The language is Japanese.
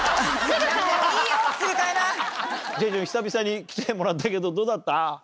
ジェジュン久々に来てもらったけどどうだった？